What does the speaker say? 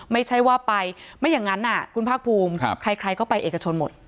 ไม่ใช่ว่าไปไม่อย่างนั้นคุณภาคภูมิใครก็ไปเอกชนหมด